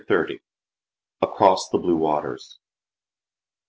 48<X 30. ACROSS THE BLUE WATERS.